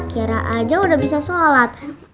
kiara aja udah bisa sholat